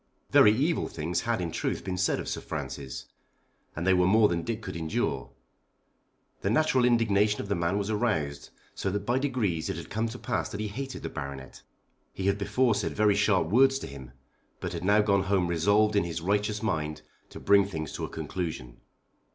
Very evil things had in truth been said of Sir Francis, and they were more than Dick could endure. The natural indignation of the man was aroused, so that by degrees it had come to pass that he hated the Baronet. He had before said very sharp words to him, but had now gone home resolved in his righteous mind to bring things to a conclusion.